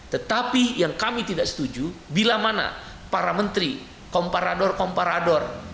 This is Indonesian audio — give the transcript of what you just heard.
tetapi yang kami tidak setuju bila mana para menteri komparador komparador